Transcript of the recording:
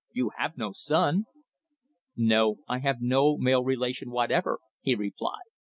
You have no son!" "No, I have no male relation whatever," he replied.